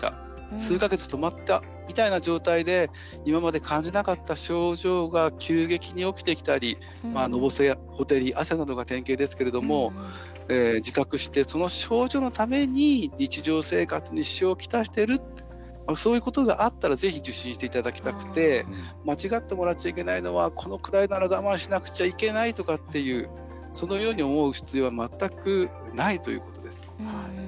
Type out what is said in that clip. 数か月、止まったみたいな状態で今まで感じなかった症状が急激に起きてきたりのぼせやほてり汗などが典型ですけども自覚して、その症状のために日常生活に支障をきたしてるとそういうことがあったらぜひ受診していただきたくて間違ってもらっちゃいけないのはこれぐらいだったら我慢しなくちゃいけないというそのように思う必要は全くないということです。